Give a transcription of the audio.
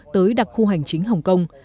tới đặc khu hành chính hồng kông